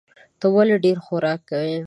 ته ولي ډېر خوراک کوې؟